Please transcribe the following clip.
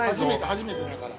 ◆初めてだから。